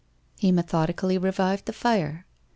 He methodically revived the fire.